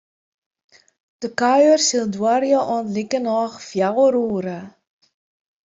De kuier sil duorje oant likernôch fjouwer oere.